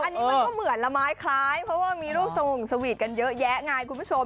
อันนี้มันก็เหมือนละไม้คล้ายเพราะว่ามีรูปสงสวีทกันเยอะแยะไงคุณผู้ชม